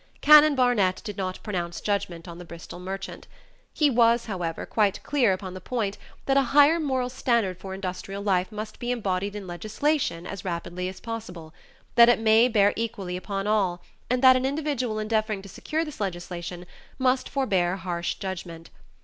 Canon Barnett did not pronounce judgment on the Bristol merchant. He was, however, quite clear upon the point that a higher moral standard for industrial life must be embodied in legislation as rapidly as possible, that it may bear equally upon all, and that an individual endeavoring to secure this legislation must forbear harsh judgment.